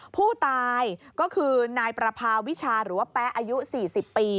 ผู้ตายก็คือนายประพาวิชาหรือว่าแป๊ะอายุ๔๐ปี